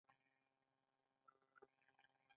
انار د بوډاګانو لپاره مناسب دی.